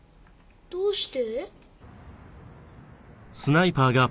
どうして？